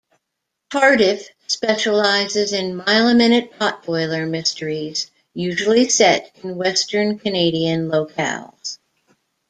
Tardif "specializes in mile-a-minute pot-boiler mysteries, usually set in Western Canadian locales".